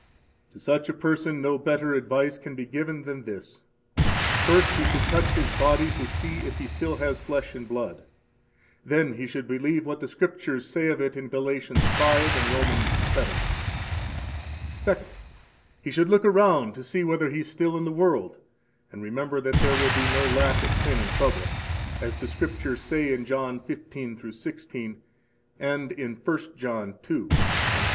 To such a person no better advice can be given than this: first, he should touch his body to see if he still has flesh and blood. Then he should believe what the Scriptures say of it in Galatians 5 and Romans 7. Second, he should look around to see whether he is still in the world, and remember that there will be no lack of sin and trouble, as the Scriptures say in John 15 16 and in 1 John 2 and 5.